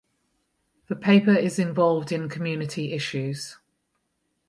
The paper is involved in community issues.